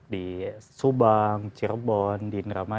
di subang cirebon di indrama